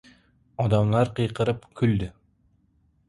Odamlar qiyqirib kuldi.